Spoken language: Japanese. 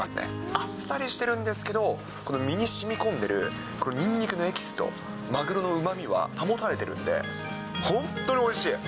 あっさりしてるんですけど、この身にしみこんでる、にんにくのエキスと、マグロのうまみは保たれてるんで、本当においしい。